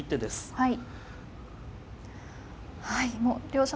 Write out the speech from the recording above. はい。